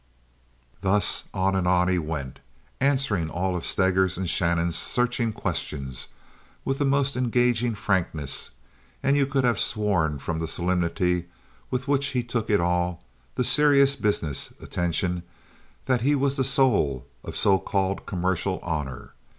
Thus on and on he went, answering all of Steger's and Shannon's searching questions with the most engaging frankness, and you could have sworn from the solemnity with which he took it all—the serious business attention—that he was the soul of so called commercial honor.